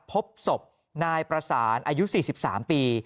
พบศพนายประสานอายุ๔๓ปี